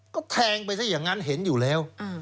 ก็แทงไปซะอย่างนั้นเห็นอยู่แล้ว